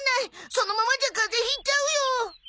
そのままじゃ風邪引いちゃうよ。